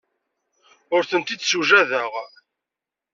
Ur ten-id-ssewjadeɣ.